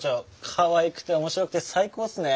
かわいくて面白くて最高っすね。